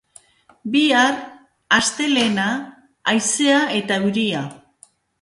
Bihar, astelehena, haizea eta euria.